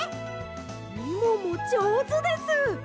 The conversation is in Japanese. みももじょうずです！